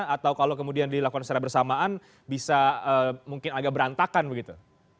atau kalau kemudian dilakukan secara bersamaan bisa mungkin agak berantakan begitu